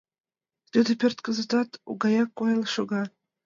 Тиде пӧрт кызытат у гаяк койын шога.